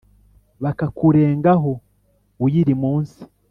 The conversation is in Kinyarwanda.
Bakakurengaho uyiri munsi !